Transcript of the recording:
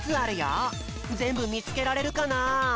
ぜんぶみつけられるかな？